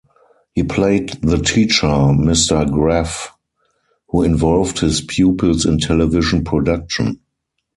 He played the teacher, Mr. Graff, who involved his pupils in television production.